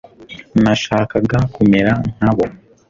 nashakaga kumera nka bo